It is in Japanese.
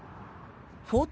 フォート